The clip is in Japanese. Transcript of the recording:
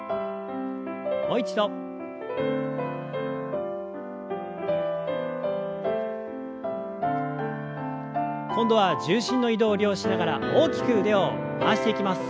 もう一度。今度は重心の移動を利用しながら大きく腕を回していきます。